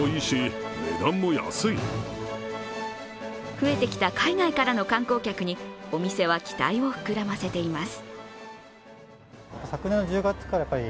増えてきた海外からの観光客にお店は期待を膨らませています。